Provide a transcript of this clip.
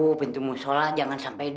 tuh pintu musyola jangan sampai tidur